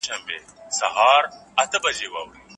په ســتــرګــو نــه ژاړم پـه زړه كــــــي ژاړم